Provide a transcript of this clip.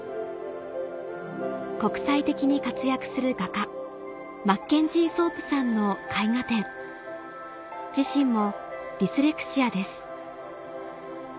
国際的に活躍する画家マッケンジー・ソープさんの絵画展自身もディスレクシアです